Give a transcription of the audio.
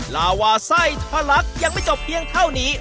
ลาวาไทยภรรรคยังไม่จบเพียงเท่านี้